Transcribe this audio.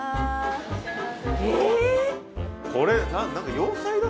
いらっしゃいませ。